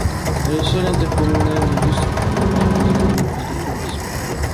À l’échelle intercommunale, les deux structures disposaient d’un office de tourisme.